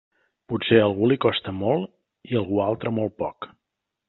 Potser a algú li costa molt i a algú altre molt poc.